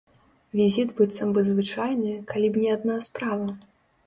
Візіт быццам бы звычайны, калі б не адна справа.